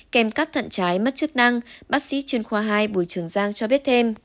kèm các thận trái mất chức năng bác sĩ chuyên khoa hai bùi trường giang cho biết thêm